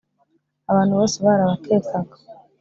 abantu bose barabakekaga